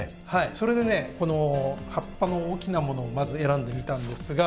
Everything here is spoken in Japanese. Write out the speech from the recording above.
それでね葉っぱの大きなものをまず選んでみたんですが。